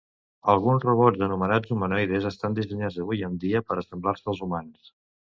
Alguns robots, anomenats humanoides, estan dissenyats avui en dia per assemblar-se als humans.